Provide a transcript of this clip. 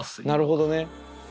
なるほどね。